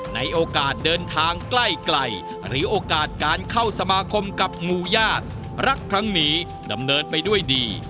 ในโอกาสเดินทางใกล้หรือโอกาสการเข้าสมาคมกับงูญาติรักครั้งนี้ดำเนินไปด้วยดี